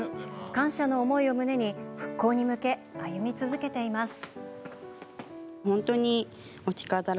感謝の思いを胸に復興に向け、歩み続けています。